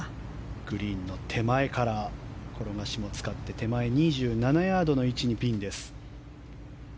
グリーンの手前から転がしを使って手前２７ヤードの位置にピンです。